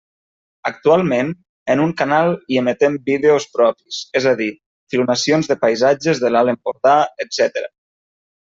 Actualment, en un canal hi emetem vídeos propis, és a dir, filmacions de paisatges de l'Alt Empordà, etcètera.